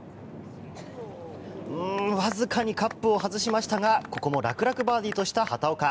わずかにカップを外しましたがここも楽々バーディーとした畑岡。